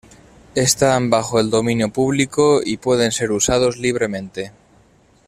Están bajo el dominio público y pueden ser usados libremente.